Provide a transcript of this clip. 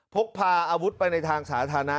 พกพาอาวุธไปในทางสาธารณะ